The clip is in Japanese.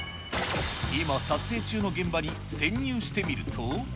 今、撮影中の現場に潜入してみると。